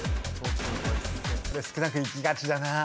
少なくいきがちだな。